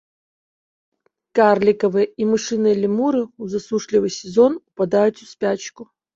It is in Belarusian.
Карлікавыя і мышыныя лемуры ў засушлівы сезон упадаюць у спячку.